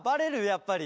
やっぱり。